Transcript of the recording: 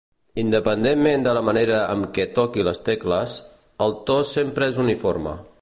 Independentment de la manera amb què toqui les tecles, el to sempre és uniforme.